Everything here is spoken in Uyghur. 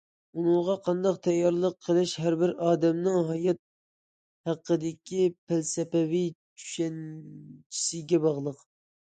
ئۇنىڭغا قانداق تەييارلىق قىلىش ھەربىر ئادەمنىڭ ھايات ھەققىدىكى پەلسەپىۋى چۈشەنچىسىگە باغلىق.